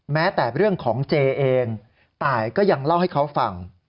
แม้แต่เรื่องของเจเองตายก็ยังเล่าให้เขาฟัง